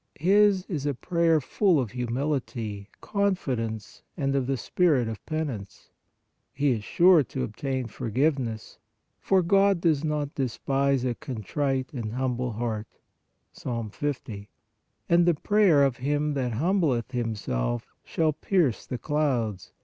His is a prayer full of humility, con fidence and of the spirit of penance. He is sure to obtain forgiveness, for " God does not despise a contrite and humble heart" (Ps. 50.), and "the prayer of him that humbleth himself shall pierce the clouds